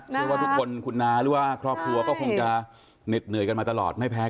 เชื่อว่าทุกคนคุณน้าหรือว่าครอบครัวก็คงจะเหน็ดเหนื่อยกันมาตลอดไม่แพ้